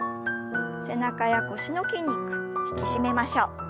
背中や腰の筋肉引き締めましょう。